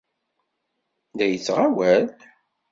La yettɣawal?